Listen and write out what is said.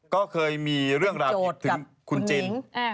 ก็เคยมีเรื่องราวคิดถึงคุณจิน